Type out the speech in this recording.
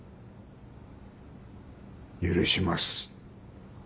許します。